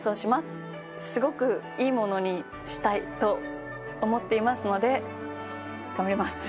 すごくいいものにしたいと思っていますので頑張ります。